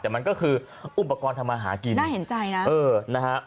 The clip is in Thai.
แต่มันก็คืออุปกรณ์ทำมาหากินน่าเห็นใจนะเออนะฮะ